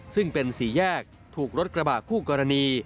ซึ่งเป็นสี่แยกถูกรถกระบะคู่กรณี